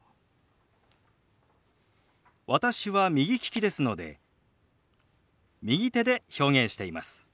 私は右利きですので右手で表現しています。